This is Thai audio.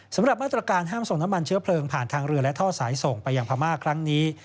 สำหรับมาตรการห้ามส่งน้ำมันเชื้อเพลิงผ่านทางเรือและท่อสายส่งไปยังพม่าครั้งนี้